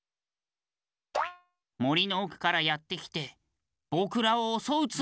もりのおくからやってきてぼくらをおそうつもりなん。